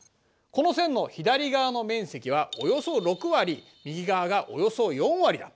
この線の左側の面積はおよそ６割右側がおよそ４割だ。